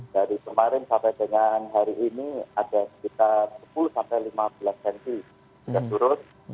dari kemarin sampai dengan hari ini ada sekitar sepuluh lima belas cm yang turut